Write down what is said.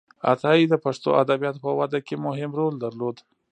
عطایي د پښتو ادبياتو په وده کې مهم رول درلود.